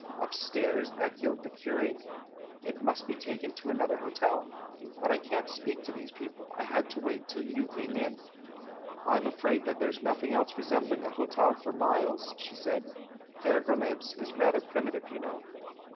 "Upstairs?" echoed the curate. "It must be taken to another hotel! But I can't speak to these people — I had to wait till you came in." THE CHILD IN THE GARDEN 16S "I'm afraid that there's nothing else resem bling an hotel for miles," she said; "Thergrimabes is rather primitive, you know."